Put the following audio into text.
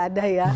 tidak ada ya